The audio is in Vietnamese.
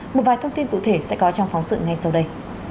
một vài thông tin cụ thể sẽ có trong phóng sự ngay sau đây